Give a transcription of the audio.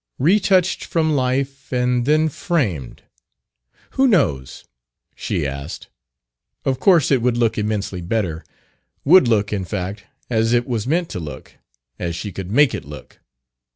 "Retouched from life, and then framed who knows?" she asked. Of course it would look immensely better; would look, in fact, as it was meant to look, as she could make it look.